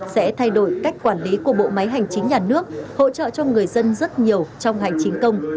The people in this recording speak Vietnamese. sẽ thay đổi cách quản lý của bộ máy hành chính nhà nước hỗ trợ cho người dân rất nhiều trong hành chính công